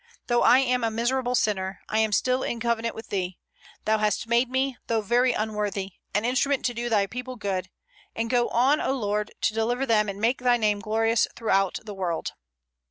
though I am a miserable sinner, I am still in covenant with Thee. Thou hast made me, though very unworthy, an instrument to do Thy people good; and go on, O Lord, to deliver them and make Thy name glorious throughout the world!"